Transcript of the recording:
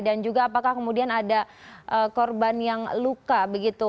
dan juga apakah kemudian ada korban yang luka begitu